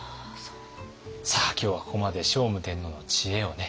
さあ今日はここまで聖武天皇の知恵をね